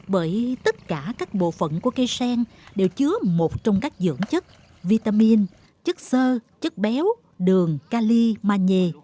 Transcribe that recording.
bởi tất cả các bộ phận của cây sen đều chứa một trong các dưỡng chất vitamin chất sơ chất béo đường cali manhê